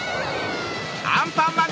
アンパンマン！